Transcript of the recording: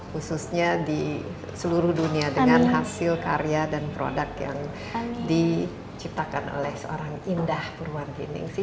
khususnya di seluruh dunia dengan hasil karya dan produk yang diciptakan oleh seorang indah purwangi ningsi